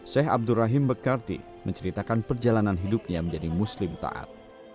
sheikh abdurrahim mekarti menceritakan perjalanan hidupnya menjadi muslim taat